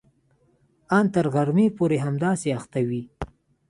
ان تر غرمې پورې همداسې اخته وي.